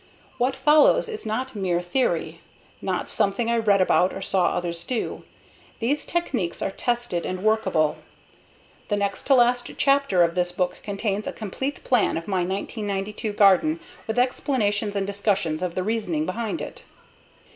What follows is not mere theory, not something I read about or saw others do. These techniques are tested and workable. The next to last chapter of this book contains a complete plan of my 1992 garden with explanations and discussion of the reasoning behind it.